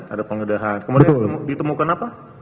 ada pengledahan kemudian ditemukan apa